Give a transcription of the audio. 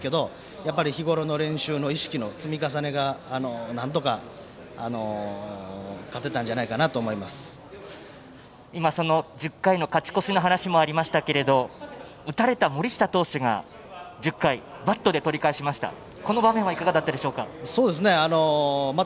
やっぱり日頃の練習の意識の積み重ねがなんとか勝てたんじゃないかなと１０回の勝ち越しの話もありましたけれども打たれた森下投手が１０回バットで取り返しました。